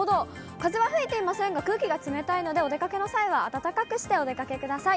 風は吹いていませんが、空気が冷たいので、お出かけの際は暖かくしてお出かけください。